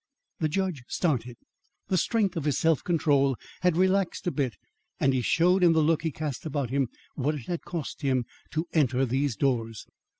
The judge started. The strength of his self control had relaxed a bit, and he showed in the look he cast about him what it had cost him to enter these doors.